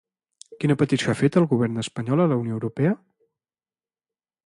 Quina petició ha fet el govern espanyol a la Unió Europea?